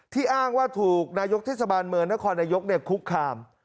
อ้างว่าถูกนายกเทศบาลเมืองนครนายกคุกคาม